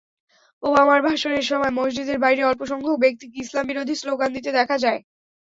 ওবামার ভাষণের সময় মসজিদের বাইরে অল্পসংখ্যক ব্যক্তিকে ইসলামবিরোধী স্লোগান দিতে দেখা যায়।